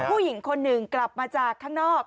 ผู้หญิงคนหนึ่งกลับมาจากข้างนอก